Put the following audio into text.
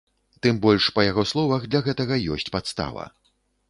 Тым больш, па яго словах, для гэтага ёсць падстава.